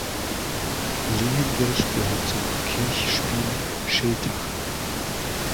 Lehengericht gehört zum Kirchspiel Schiltach.